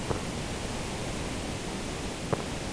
কুমুদ এ সমস্যার মীমাংসা করিয়া দিয়াছে।